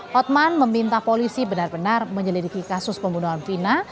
hotman meminta polisi benar benar menyelidiki kasus pembunuhan vina